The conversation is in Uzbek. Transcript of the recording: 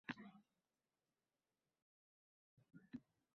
Bu, kishining o‘zi o‘tirgan shoxni kesishi bilan baravar.